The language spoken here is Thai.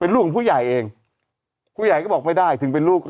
ลูกของผู้ใหญ่เองผู้ใหญ่ก็บอกไม่ได้ถึงเป็นลูกก็